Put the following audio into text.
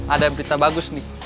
ada berita bagus nih